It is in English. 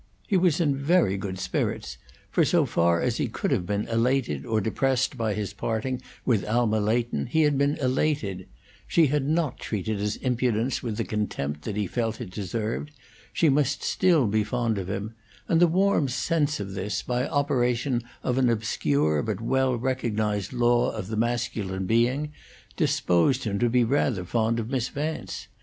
He was in very good spirits, for so far as he could have been elated or depressed by his parting with Alma Leighton he had been elated; she had not treated his impudence with the contempt that he felt it deserved; she must still be fond of him; and the warm sense of this, by operation of an obscure but well recognized law of the masculine being, disposed him to be rather fond of Miss Vance.